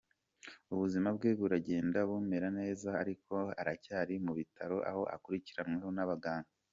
Ubuzima bwe buragenda bumera neza, ariko aracyari mu bitaro aho akurikiranwe n’abaganga.